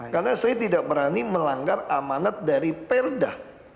karena saya tidak berani melanggar amanat dari perda